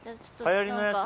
やりのやつ。